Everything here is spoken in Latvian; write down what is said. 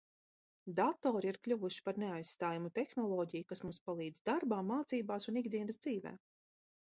Datori ir kļuvuši par neaizstājamu tehnoloģiju, kas mums palīdz darbā, mācībās un ikdienas dzīvē.